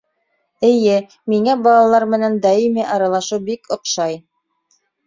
Эйе, миңә балалар менән даими аралашыу бик оҡшай.